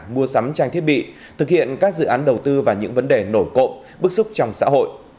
mua sắm trang thiết bị thực hiện các dự án đầu tư và những vấn đề nổi cộng bức xúc trong xã hội